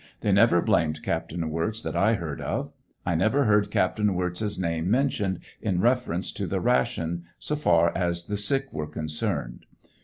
They never blamed Captain Wirz that I heard of. I never heard Captain Wirz's name mentioned m reference to the ration, so far as the sick were concerned.